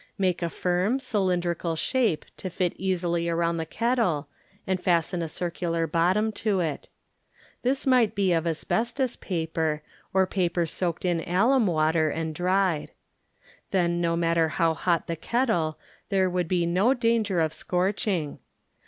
Make a firm, cylindrical shape to fit easily around the kettle and fasten a circular bottom to it. This might be of asbestos paper, or paper soaked in alum water and dried. Then no matter how hot the kettle there would be no danger of scorching.